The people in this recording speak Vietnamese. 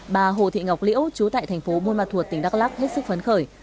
bà hồ thị ngọc liễu chú tại thành phố môn mặt thuột tỉnh đắk lắc hết sức phấn khởi